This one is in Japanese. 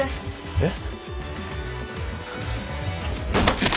えっ？